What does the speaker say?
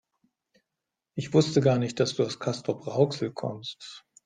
Ich wusste gar nicht, dass du aus Castrop-Rauxel kommst